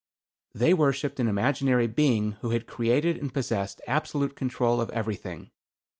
They worshipped an imaginary being who had created and possessed absolute control of everything.